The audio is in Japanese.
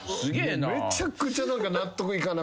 めちゃくちゃ納得いかなくて。